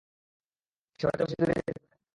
সে হয়তো বেশি দুরে যেতে পারেনি!